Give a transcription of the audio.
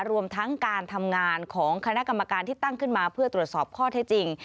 รวมทั้งการทำงานของคณะกรรมการที่ตั้งขึ้นมาเพื่อตรวจสอบข้อเท็จจริง